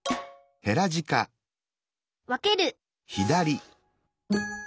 わける